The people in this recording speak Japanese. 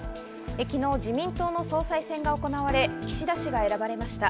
昨日、自民党の総裁選が行われ、岸田氏が選ばれました。